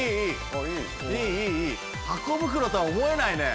ハコ袋とは思えないね。